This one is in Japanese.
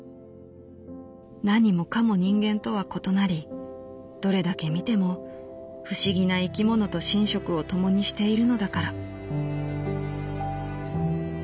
なにもかも人間とは異なりどれだけ見ても不思議な生き物と寝食を共にしているのだから」。